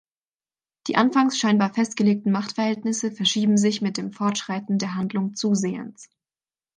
Die anfangs scheinbar festgelegten Machtverhältnisse verschieben sich mit dem Fortschreiten der Handlung zusehends.